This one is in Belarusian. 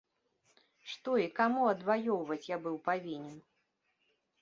Што і каму адваёўваць я быў павінен?